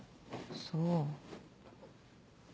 そう。